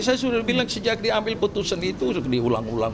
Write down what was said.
saya sudah bilang sejak diambil putusan itu diulang ulang